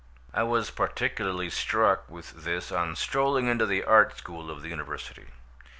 I was particularly struck with this on strolling into the Art School of the University.